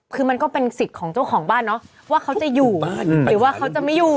คือมันก็เป็นสิทธิ์ของเจ้าของบ้านเนาะว่าเขาจะอยู่หรือว่าเขาจะไม่อยู่